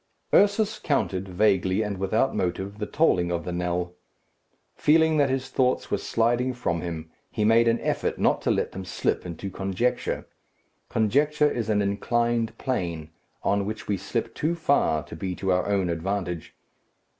Ursus counted, vaguely and without motive, the tolling of the knell. Feeling that his thoughts were sliding from him, he made an effort not to let them slip into conjecture. Conjecture is an inclined plane, on which we slip too far to be to our own advantage.